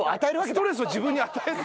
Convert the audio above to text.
ストレスを自分に与えて。